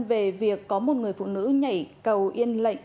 về việc có một người phụ nữ nhảy cầu yên lệnh